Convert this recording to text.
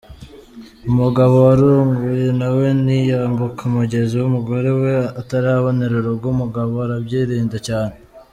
Umugabo warongoye na we ntiyambuka umugezi umugore we atarabonera urugo, umugabo arabyirinda cyane.